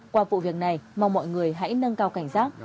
qua vụ việc này mong mọi người hãy nâng cao cảnh giác